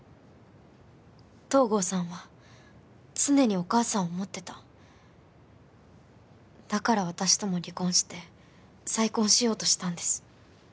東郷さんは常にお義母さんを思ってただから私とも離婚して再婚しようとしたんです